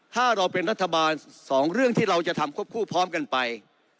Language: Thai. ถ้าเราเป็นรัฐบาลสองเรื่องที่เราจะทำควบคู่พร้อมกันไป